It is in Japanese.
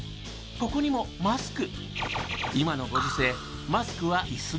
ここにもマスク。